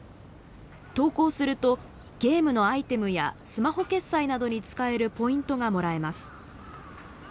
投稿するとゲームのアイテムやスマホ決済などに使えるポイントがもらえます。